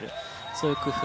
そういう工夫